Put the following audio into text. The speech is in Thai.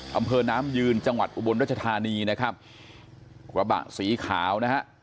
กำเภอน้ำยืนจังหวัดอุบลรัชธานีระบะสีขาว